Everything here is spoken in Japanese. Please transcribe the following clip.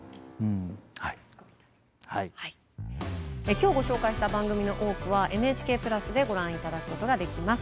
今日ご紹介した番組の多くはＮＨＫプラスでご覧いただくことができます。